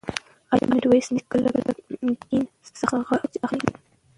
ایا میرویس نیکه له ګرګین څخه غچ اخلي؟